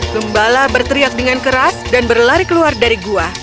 gembala berteriak dengan keras dan berlari keluar dari gua